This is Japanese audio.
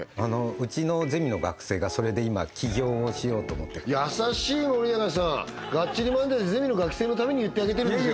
うちのゼミの学生がそれで今起業をしようと思って優しい森永さん「がっちりマンデー！！」でゼミの学生のために言ってあげてるんでしょ？